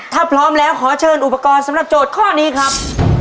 ถ้าพร้อมแล้วขอเชิญอุปกรณ์สำหรับโจทย์ข้อนี้ครับ